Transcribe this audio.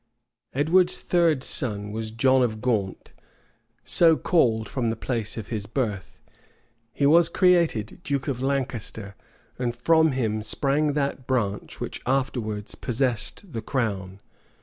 Edward's third son was John of Gaunt, so called from the place of his birth: he was created duke of Lancaster; and from him sprang that branch which afterwards possessed the the crown.